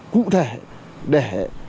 cụ thể để